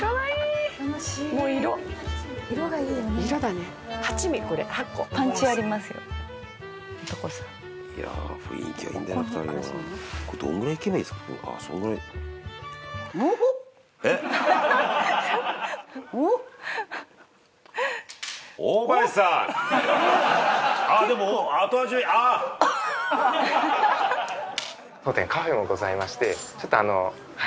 当店カフェもございましてちょっとあの。